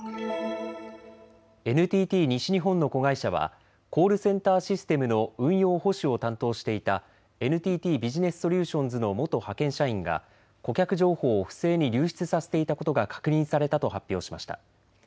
ＮＴＴ西日本の子会社はコールセンターシステムの運用保守を担当していたＮＴＴビジネスソリューションズの元派遣社員が顧客情報を不正に流出させていたことが確認されたと発表しました。